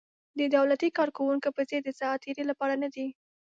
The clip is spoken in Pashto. د دولتي کارکوونکو په څېر د ساعت تېرۍ لپاره نه دي.